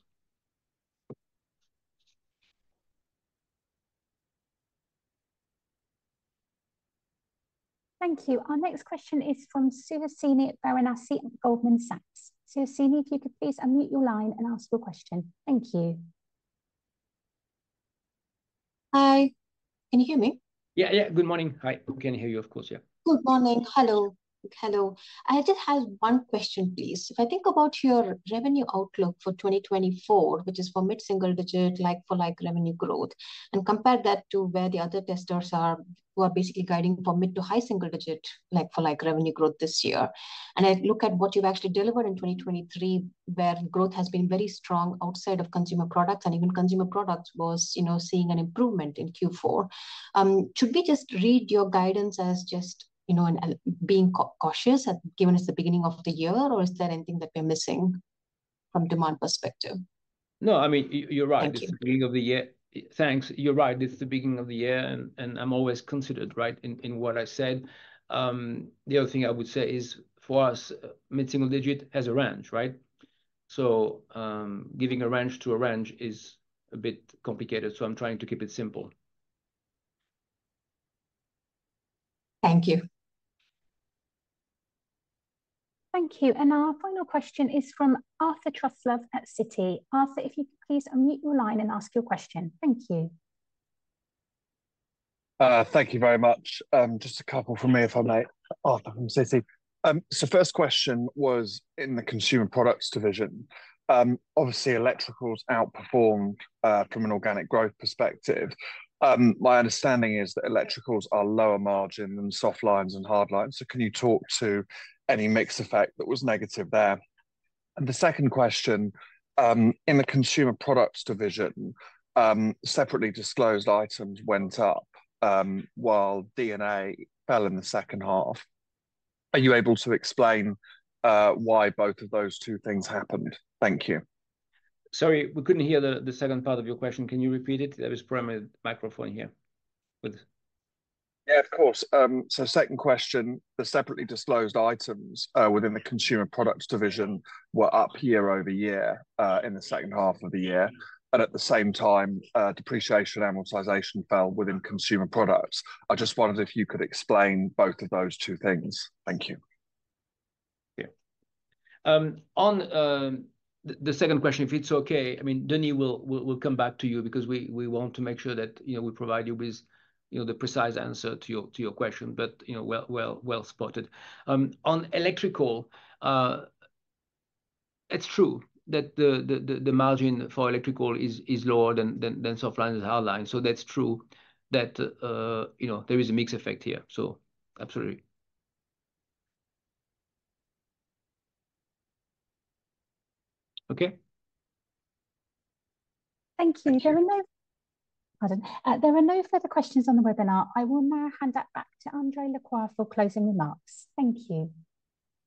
Thank you. Our next question is from Suhasini Varanasi at Goldman Sachs. Suhasini, if you could please unmute your line and ask your question. Thank you. Hi. Can you hear me? Yeah, yeah. Good morning. Hi. Can you hear you? Of course. Yeah. Good morning. Hello. Hello. I just have one question, please. If I think about your revenue outlook for 2024, which is for mid-single-digit for revenue growth, and compare that to where the other testers are who are basically guiding for mid- to high-single-digit for revenue growth this year, and I look at what you've actually delivered in 2023 where growth has been very strong outside of Consumer Products and even Consumer Products was seeing an improvement in Q4, should we just read your guidance as just being cautious given it's the beginning of the year, or is there anything that we're missing from demand perspective? No, I mean, you're right. It's the beginning of the year. Thanks. You're right. It's the beginning of the year. And I'm always cautious, right, in what I said. The other thing I would say is for us, mid-single-digit has a range, right? So giving a range to a range is a bit complicated. So I'm trying to keep it simple. Thank you. Thank you. And our final question is from Arthur Truslove at Citi. Arthur, if you could please unmute your line and ask your question. Thank you. Thank you very much. Just a couple from me if I'm late. Arthur from Citi. So first question was in the consumer products division. Obviously, electricals outperformed from an organic growth perspective. My understanding is that electricals are lower margin than soft lines and hard lines. So can you talk to any mix effect that was negative there? And the second question, in the consumer products division, separately disclosed items went up while D&A fell in the second half. Are you able to explain why both of those two things happened? Thank you. Sorry, we couldn't hear the second part of your question. Can you repeat it? There is probably a microphone here with. Yeah, of course. So second question, the separately disclosed items within the Consumer Products division were up year-over-year in the second half of the year. And at the same time, depreciation and amortization fell within Consumer Products. I just wondered if you could explain both of those two things. Thank you. Yeah. On the second question, if it's okay, I mean, Denis will come back to you because we want to make sure that we provide you with the precise answer to your question, but well spotted. On electrical, it's true that the margin for electrical is lower than soft lines and hard lines. So that's true that there is a mix effect here. So absolutely. Okay? Thank you. There are no further questions on the webinar. I will now hand that back to André Lacroix for closing remarks. Thank you.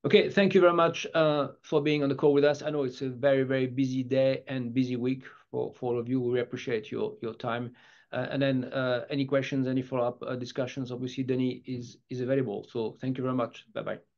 Okay. Thank you very much for being on the call with us. I know it's a very, very busy day and busy week for all of you. We appreciate your time. And then any questions, any follow-up discussions, obviously, Denis is available. So thank you very much. Bye-bye.